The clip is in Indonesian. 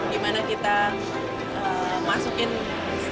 gimana kita masukin ke dalam lagu ini